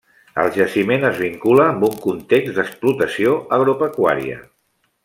El jaciment es vincula amb un context d'explotació agropecuària.